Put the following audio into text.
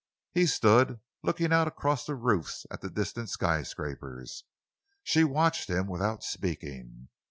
He stood looking out across the roofs and at the distant skyscrapers. She watched him without speaking.